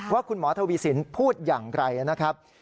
ว่าคุณหมอทวีสินพูดอย่างไรนะครับ